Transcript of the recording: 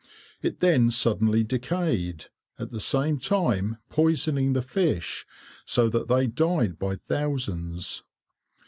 It then suddenly decayed, at the same time poisoning the fish so that they died by thousands.